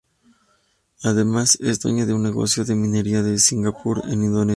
Además es dueño de un negocio de minería en Singapur e Indonesia.